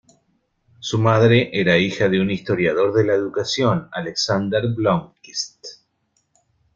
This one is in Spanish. Su madre era hija de un historiador de la educación, Alexander Blomqvist.